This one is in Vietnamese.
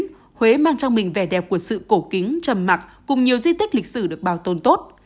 huế mang trong mình vẻ đẹp của sự cổ kính trầm mặc cùng nhiều di tích lịch sử được bảo tồn tốt